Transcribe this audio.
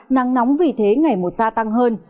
nắng nóng vì thế ngày một xa tăng hơn